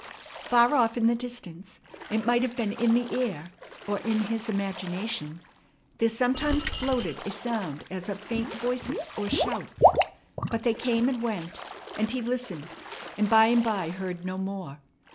Far off in the distance, it might have been in the air or in his imagination, there sometimes floated a sound as of faint voices or shouts; but they came and went, and he listened, and by and by heard no more.